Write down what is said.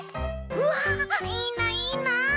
うわいいないいな。